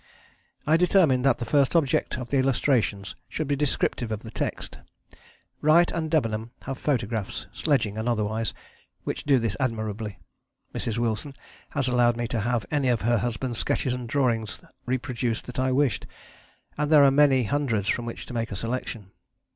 I determined that the first object of the illustrations should be descriptive of the text: Wright and Debenham have photographs, sledging and otherwise, which do this admirably. Mrs. Wilson has allowed me to have any of her husband's sketches and drawings reproduced that I wished, and there are many hundreds from which to make a selection.